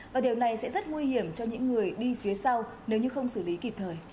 và điều này sẽ rất nguy hiểm cho những người đi phía sau nếu như không xử lý kịp thời